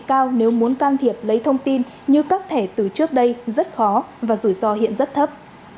cao nếu muốn can thiệp lấy thông tin như các thẻ từ trước đây rất khó và rủi ro hiện rất thấp